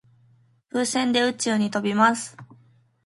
風船で宇宙に飛びます。